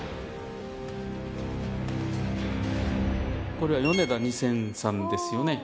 これはヨネダ２０００さんですよね